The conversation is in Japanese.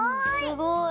すごい！